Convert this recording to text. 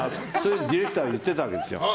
ディレクターが言ってたんですよ。